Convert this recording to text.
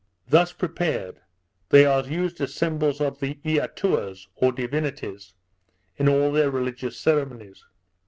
Thus prepared, they are used as symbols of the Eatuas, or divinities, in all their religious ceremonies.